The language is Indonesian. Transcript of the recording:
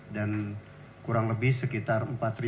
dan kurang lebih sekitar